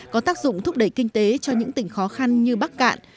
có tác dụng thúc đẩy kinh tế cho những tỉnh khó khăn như bắc cạn